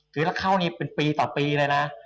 คือถ้าเข้านี่เป็นปีต่อปีเลยนะ